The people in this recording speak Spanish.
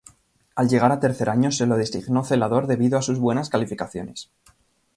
Al llegar a tercer año se lo designó celador debido a sus buenas calificaciones.